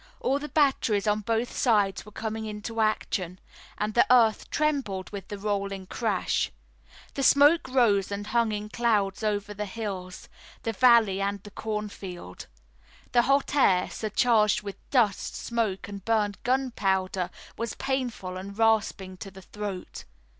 All the batteries on both sides were coming into action, and the earth trembled with the rolling crash. The smoke rose and hung in clouds over the hills, the valley and the cornfield. The hot air, surcharged with dust, smoke and burned gunpowder, was painful and rasping to the throat.